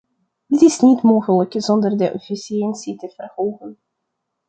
Dit is niet mogelijk zonder de efficiëntie te verhogen.